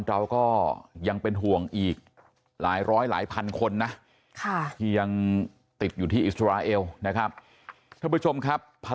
เราก็ยังเป็นห่วงอีกหลายร้อยหลายพันคนนะ